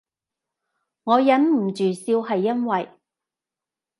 我忍唔住笑係因為